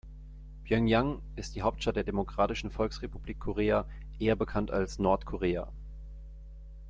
Pjöngjang ist die Hauptstadt der Demokratischen Volksrepublik Korea, eher bekannt als Nordkorea.